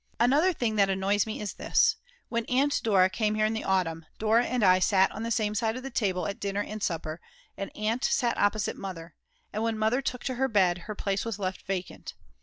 Another thing that annoys me is this; when Aunt Dora came here in the autumn, Dora and I sat on the same side of the table at dinner and supper, and Aunt sat opposite Mother, and when Mother took to her bed her place was left vacant.